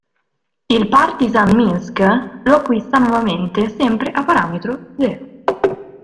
Il Partizan Minsk lo acquista nuovamente, sempre a parametro zero.